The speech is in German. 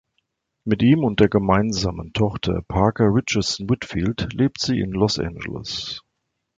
Mit ihm und der gemeinsamen Tochter, Parker Richardson Whitfield, lebt sie in Los Angeles.